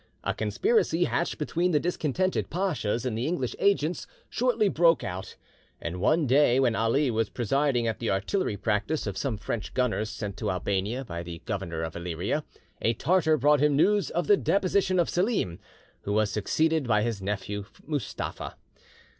A conspiracy, hatched between the discontented pachas and the English agents, shortly broke out, and one day, when Ali was presiding at the artillery practice of some French gunners sent to Albania by the Governor of Illyria, a Tartar brought him news of the deposition of Selim, who was succeeded by his nephew Mustapha.